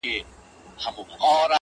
o غلبېل کوزې ته وايي، سورۍ!